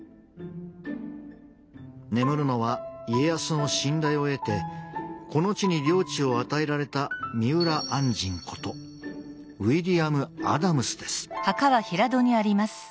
眠るのは家康の信頼を得てこの地に領地を与えられた三浦按針ことウィリアム・アダムスです。